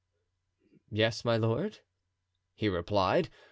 "Yes, my lord," he replied.